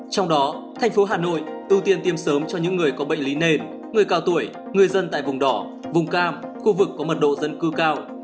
trong đó tp hcm ưu tiên tiêm sớm cho những người có bệnh lý nền người cao tuổi người dân tại vùng đỏ vùng cam khu vực có mặt độ dân cư cao